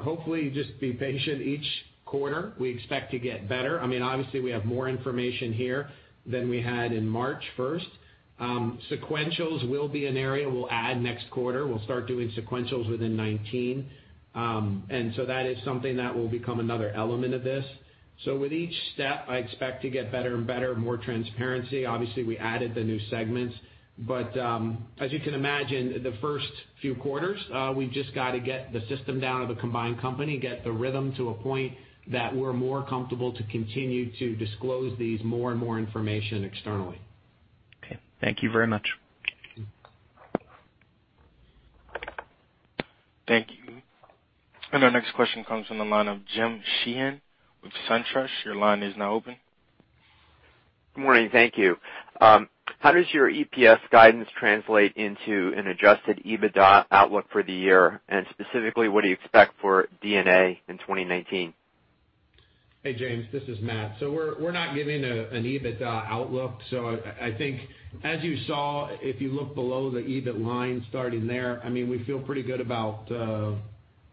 hopefully just be patient each quarter. We expect to get better. Obviously, we have more information here than we had in March 1st. Sequentials will be an area we'll add next quarter. We'll start doing sequentials within 2019. That is something that will become another element of this. With each step, I expect to get better and better, more transparency. Obviously, we added the new segments. As you can imagine, the first few quarters, we've just got to get the system down of the combined company, get the rhythm to a point that we're more comfortable to continue to disclose these more and more information externally. Okay. Thank you very much. Thank you. Thank you. Our next question comes from the line of James Sheehan with SunTrust. Your line is now open. Good morning. Thank you. How does your EPS guidance translate into an adjusted EBITDA outlook for the year? Specifically, what do you expect for D&A in 2019? Hey, Jim. This is Matt. We're not giving an EBITDA outlook. I think as you saw, if you look below the EBIT line starting there, we feel pretty good about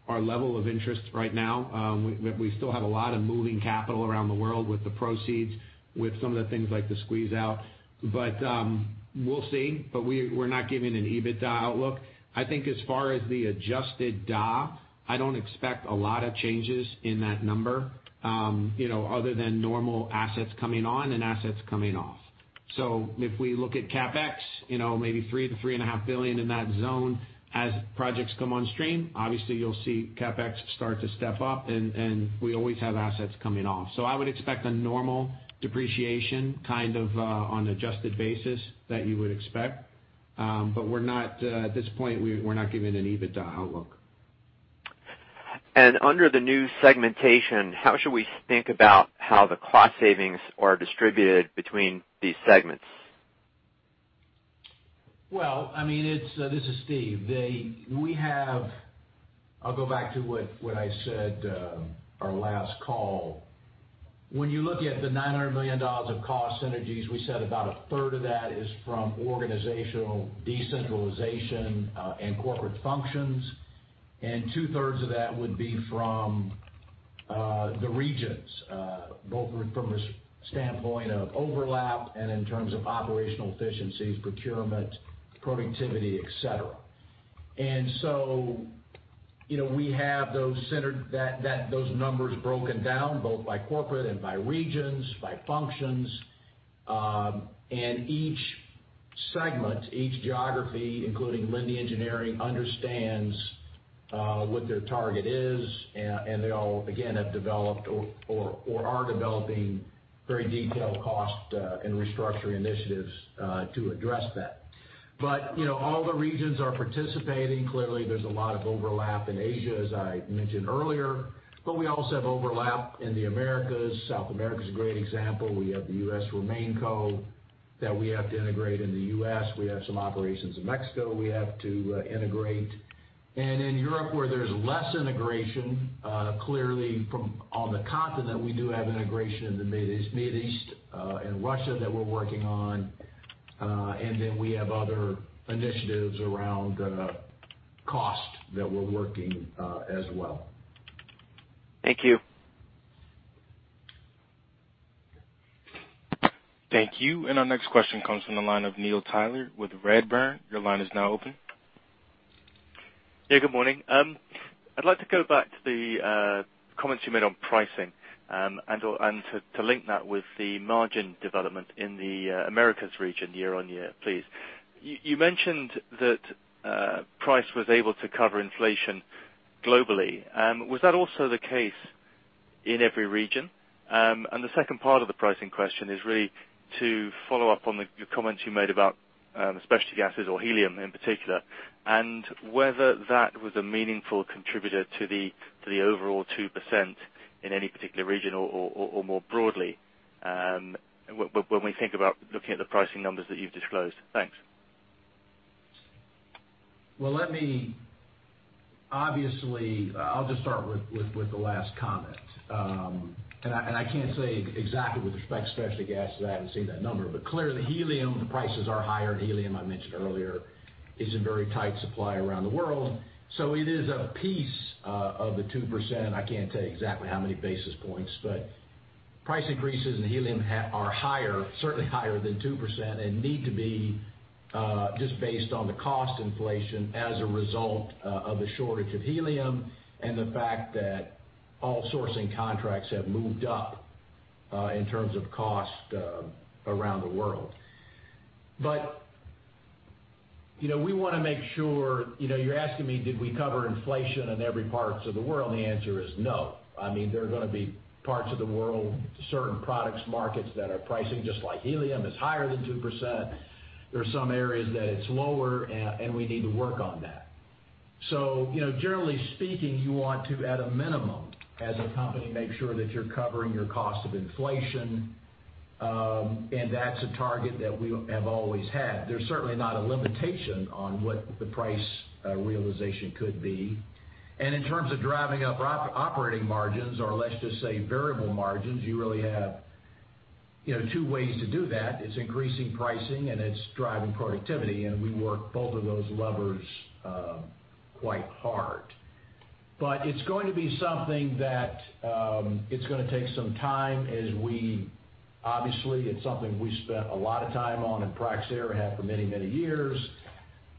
our level of interest right now. We still have a lot of moving capital around the world with the proceeds, with some of the things like the squeeze-out. We'll see. We're not giving an EBITDA outlook. I think as far as the adjusted D&A, I don't expect a lot of changes in that number other than normal assets coming on and assets coming off. If we look at CapEx, maybe $3 billion-$3.5 billion in that zone. As projects come on stream, obviously you'll see CapEx start to step up and, we always have assets coming off. I would expect a normal depreciation kind of on adjusted basis that you would expect. At this point, we're not giving an EBITDA outlook. Under the new segmentation, how should we think about how the cost savings are distributed between these segments? Well, this is Steve. I'll go back to what I said our last call. When you look at the $900 million of cost synergies, we said about a third of that is from organizational decentralization and corporate functions, and two-thirds of that would be from the regions, both from a standpoint of overlap and in terms of operational efficiencies, procurement, productivity, et cetera. We have those numbers broken down both by corporate and by regions, by functions. Each segment, each geography, including Linde Engineering, understands what their target is. They all, again, have developed or are developing very detailed cost and restructuring initiatives to address that. All the regions are participating. Clearly, there's a lot of overlap in Asia, as I mentioned earlier, but we also have overlap in the Americas. South America's a great example. We have the U.S. RemainCo that we have to integrate in the U.S. We have some operations in Mexico we have to integrate. In Europe, where there's less integration, clearly from on the continent, we do have integration in the Middle East and Russia that we're working on. We have other initiatives around cost that we're working as well. Thank you. Thank you. Our next question comes from the line of Neil Tyler with Redburn. Your line is now open. Yeah, good morning. I'd like to go back to the comments you made on pricing, and to link that with the margin development in the Americas region year-on-year, please. You mentioned that price was able to cover inflation globally. Was that also the case in every region? The second part of the pricing question is really to follow up on the comments you made about specialty gases or helium in particular, and whether that was a meaningful contributor to the overall 2% in any particular region or more broadly. When we think about looking at the pricing numbers that you've disclosed. Thanks. Well, obviously, I'll just start with the last comment. I can't say exactly with respect to specialty gases, I haven't seen that number. Clearly helium, the prices are higher. Helium, I mentioned earlier, is in very tight supply around the world. It is a piece of the 2%. I can't tell you exactly how many basis points. Price increases in helium are certainly higher than 2% and need to be, just based on the cost inflation as a result of the shortage of helium and the fact that all sourcing contracts have moved up in terms of cost around the world. We want to make sure. You're asking me, did we cover inflation in every parts of the world? The answer is no. There are going to be parts of the world, certain products, markets that are pricing, just like helium, is higher than 2%. There are some areas that it's lower, and we need to work on that. Generally speaking, you want to, at a minimum, as a company, make sure that you're covering your cost of inflation. That's a target that we have always had. There's certainly not a limitation on what the price realization could be. In terms of driving up operating margins, or let's just say variable margins, you really have two ways to do that. It's increasing pricing, and it's driving productivity. We work both of those levers quite hard. It's going to be something that is going to take some time. Obviously, it's something we spent a lot of time on in Praxair, have for many years,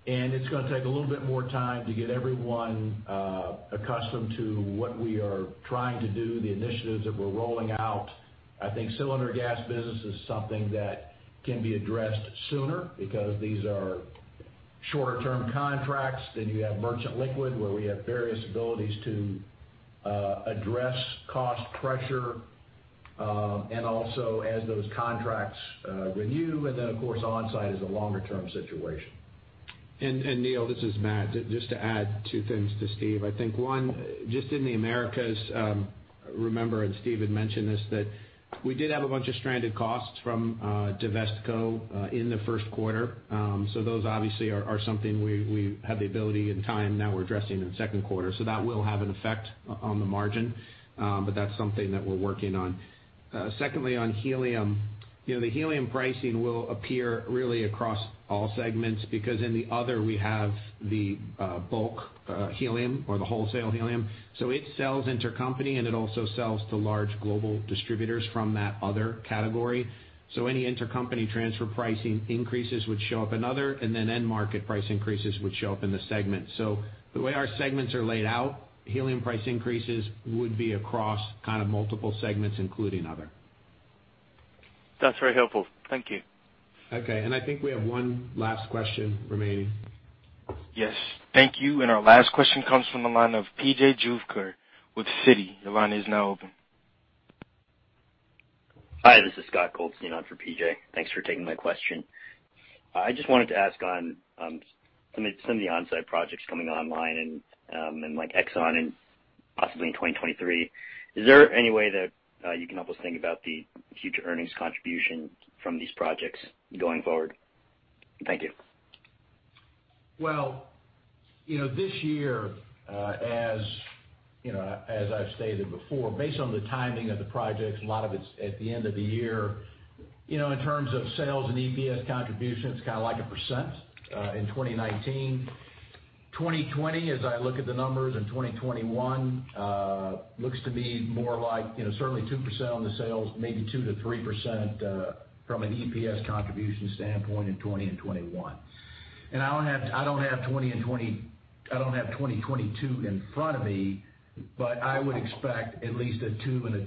and it's going to take a little bit more time to get everyone accustomed to what we are trying to do, the initiatives that we're rolling out. I think cylinder gas business is something that can be addressed sooner because these are shorter-term contracts. You have merchant liquid, where we have various abilities to address cost pressure, and also as those contracts renew. Of course, onsite is a longer-term situation. Neil, this is Matt. Just to add two things to Steve. I think, one, just in the Americas, remember, and Steve had mentioned this, that we did have a bunch of stranded costs from Divestco in the first quarter. Those obviously are something we have the ability and time now we're addressing in the second quarter. That will have an effect on the margin, but that's something that we're working on. Secondly, on helium. The helium pricing will appear really across all segments because in the other, we have the bulk helium or the wholesale helium. It sells intercompany, and it also sells to large global distributors from that other category. Any intercompany transfer pricing increases would show up in other, and then end market price increases would show up in the segment. The way our segments are laid out, helium price increases would be across kind of multiple segments, including other. That's very helpful. Thank you. Okay, I think we have one last question remaining. Yes. Thank you. Our last question comes from the line of P.J. Juvekar with Citi. Your line is now open. Hi, this is Seth Goldstein on for P.J. Thanks for taking my question. I just wanted to ask on some of the on-site projects coming online in like Exxon and possibly in 2023. Is there any way that you can help us think about the future earnings contribution from these projects going forward? Thank you. Well, this year, as I've stated before, based on the timing of the projects, a lot of it's at the end of the year. In terms of sales and EPS contribution, it's kind of like 1% in 2019. 2020, as I look at the numbers, and 2021, looks to be more like certainly 2% on the sales, maybe 2%-3% from an EPS contribution standpoint in 2020 and 2021. I don't have 2022 in front of me, but I would expect at least a 2% and a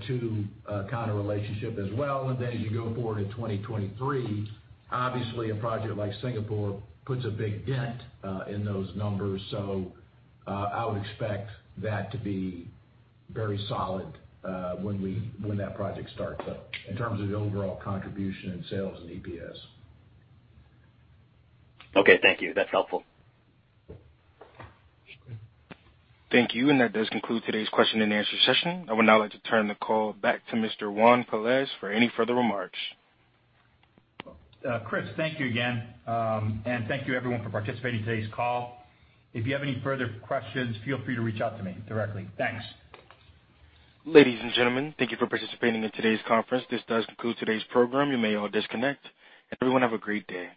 2% kind of relationship as well. Then as you go forward in 2023, obviously, a project like Singapore puts a big dent in those numbers. I would expect that to be very solid when that project starts up, in terms of the overall contribution in sales and EPS. Okay, thank you. That's helpful. Thank you. That does conclude today's question and answer session. I would now like to turn the call back to Mr. Juan Pelaez for any further remarks. Chris, thank you again. Thank you everyone for participating in today's call. If you have any further questions, feel free to reach out to me directly. Thanks. Ladies and gentlemen, thank you for participating in today's conference. This does conclude today's program. You may all disconnect. Everyone have a great day.